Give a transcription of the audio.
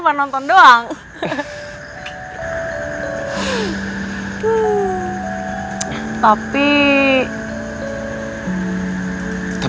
kamu mau jadi pacar